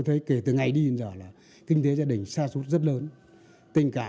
tập tướng này thì phá mới bế được ít